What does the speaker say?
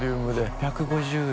８５０円。